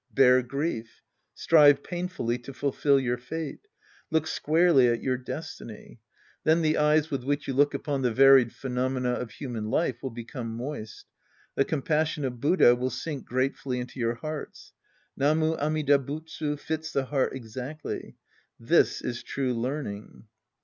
Bear grief Strive painfully to fulfil your fate. Look squai'ely at your destiny. Then the eyes wifti wliich you look upon the varied phenom ena of human life will become moist. The compas sion of Buddha will sink gratefully into your hearts. " Namu Amida Butsu " fits the heart exactly. This is true learning.